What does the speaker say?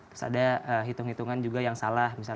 terus ada hitung hitungan juga yang salah